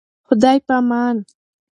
خداي پامان.